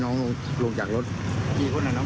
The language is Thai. นั่งอยู่ในร้านค้าที่พี่เค้าอยู่